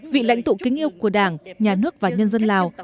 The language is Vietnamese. vị lãnh tụ kính yêu của đảng nhà nước và nhân dân lào